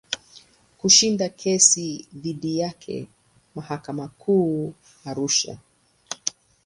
Kushinda kesi dhidi yake mahakama Kuu Arusha.